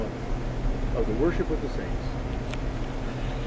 Of the Worship of the Saints.